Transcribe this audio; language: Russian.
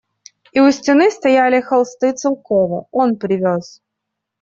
И у стены стояли холсты Целкова, он привез.